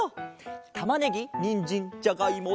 たまねぎにんじんじゃがいも